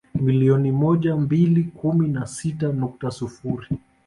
Milioni moja mbili kumi na sita nukta sifuri